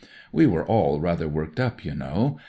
We were all rather worked up, you know.